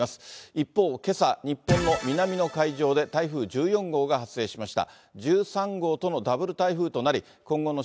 一方、けさ、日本の南の海上で台風１４号が発生しました。